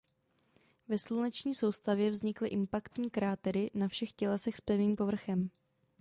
Ve sluneční soustavě vznikly "impaktní krátery" na všech tělesech s pevným povrchem.